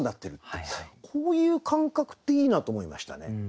こういう感覚っていいなと思いましたね。